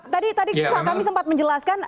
tadi kami sempat menjelaskan